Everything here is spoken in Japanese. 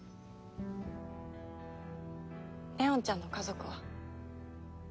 祢音ちゃんの家族は？